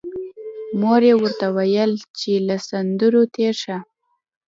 مور یې ورته ویل چې له سندرو تېر شه